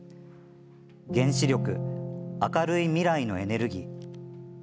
「原子力明るい未来のエネルギー」。